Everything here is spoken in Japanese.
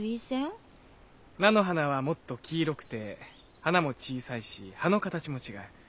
菜の花はもっと黄色くて花も小さいし葉の形も違う。